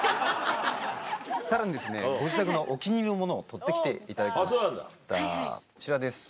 さらにご自宅のお気に入りのものを撮って来ていただきましたこちらです。